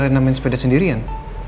reina main sepeda sendirian